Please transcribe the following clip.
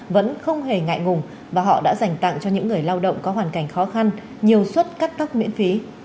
vẫn không hề ngại ngùng và họ đã dành tặng cho những người lao động có hoàn cảnh khó khăn nhiều suất cắt tóc miễn phí